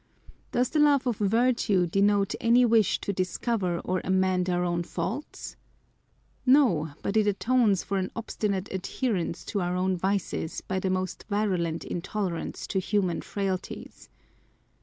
Does the love of virtue denote any wish to discover or amend our own faults ? No, but it atones for an obstinate adherence to our own vices by the most virulent in tolerance to human frailties.